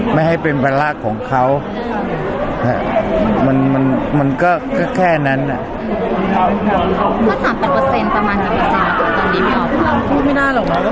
ไม่ให้เป็นประลักษณ์ของเขามันมันมันก็ก็แค่นั้นอ่ะ